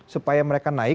supaya mereka naik